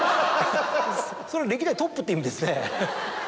それ歴代トップって意味ですね。